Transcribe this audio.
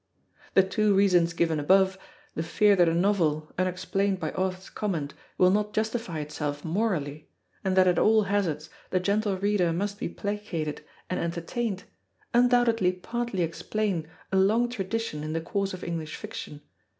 The two reasons given above, the fear that a novel unexplained by author's comment will not justify itself morally, and that at all hazards the gentle reader must be placated and entertained, undoubtedly partly explain a long tradition in the course of English fiction.